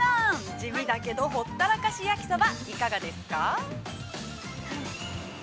地味だけどほったらかし焼きそば、いかがですか？